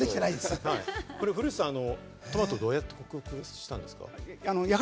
古内さん、どうやって克服したんですか？